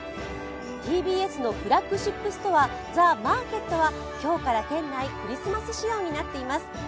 ＴＢＳのフラッグシップストア、ＴＨＥＭＡＲＫＥＴは今日から店内、クリスマス仕様になっています。